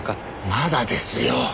まだですよ！